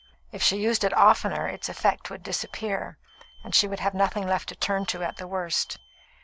If she used it oftener, its effect would disappear, and she would have nothing left to turn to at the worst.